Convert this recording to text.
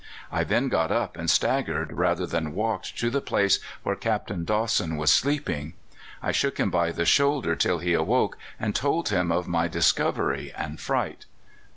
I then got up and staggered rather than walked to the place where Captain Dawson was sleeping. I shook him by the shoulder till he awoke, and told him of my discovery and fright.